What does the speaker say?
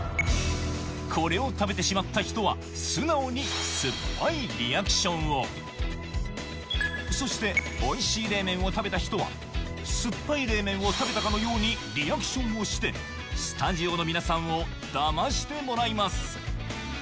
これを食べてしまった人は素直に酸っぱいリアクションを、そしておいしい冷麺を食べた人はすっぱい冷麺を食べたかのようにリアクションをしてスタジオの皆さんをだましてもらいます。